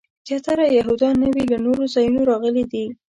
زیاتره یهودیان نوي له نورو ځایونو راغلي دي.